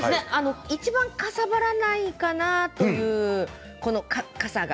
いちばんかさばらないかなと、かさが。